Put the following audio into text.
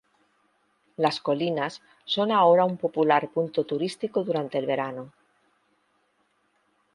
Las colinas son ahora un popular punto turístico durante el verano.